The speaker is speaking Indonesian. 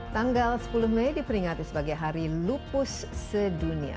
tanggal sepuluh mei diperingati sebagai hari lupus sedunia